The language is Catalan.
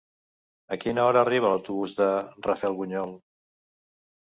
A quina hora arriba l'autobús de Rafelbunyol?